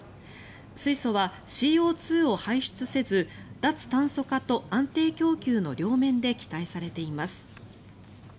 水素はＣＯ２を排出せず脱炭素化と安定供給の両面で期待されています。